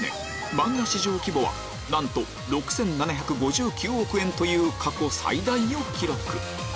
漫画市場規模はなんと６７５９億円という過去最大を記録